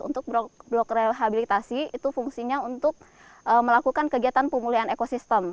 untuk blok rehabilitasi itu fungsinya untuk melakukan kegiatan pemulihan ekosistem